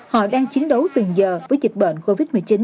họ đang chiến đấu từng giờ với dịch bệnh covid một mươi chín